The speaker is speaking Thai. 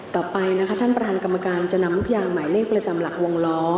ต่อไปนะคะท่านประธานกรรมการจะนำลูกยางหมายเลขประจำหลักวงล้อ